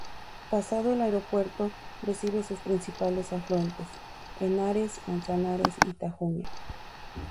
Pasado el aeropuerto recibe sus principales afluentes: Henares, Manzanares y Tajuña.